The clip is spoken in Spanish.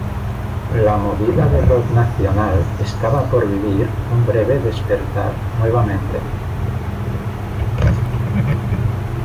La movida de rock nacional estaba por vivir un breve despertar nuevamente.